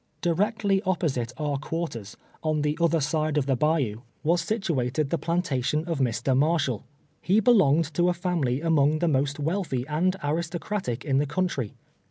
Directly op posite our quarters, on the other side of the bayou, 20 i TWELVE YEARS A SLAVE, was sitiiati'd the plantation of Mv. Marshall. He belonged to a family among the most wealthy and aristocratic in the country.